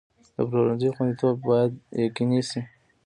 د پلورنځي خوندیتوب باید یقیني شي.